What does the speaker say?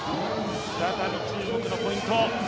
再び中国のポイント。